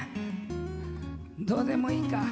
どうでもいいか。